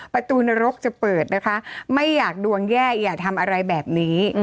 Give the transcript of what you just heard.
ประตูนรกจะเปิดนะคะไม่อยากดวงแย่อย่าทำอะไรแบบนี้